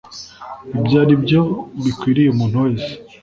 ibyo aribyo bikwiriye umuntu wese.